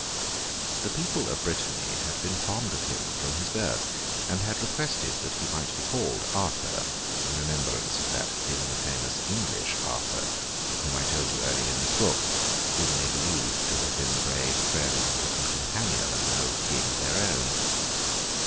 The people of Brittany had been fond of him from his birth, and had requested that he might be called Arthur, in remembrance of that dimly famous English Arthur, of whom I told you early in this book, whom they believed to have been the brave friend and companion of an old King of their own.